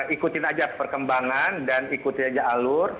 ikutin aja perkembangan dan ikuti aja alur